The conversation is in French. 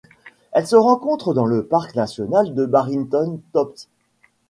Elle se rencontre dans le parc national de Barrington Tops.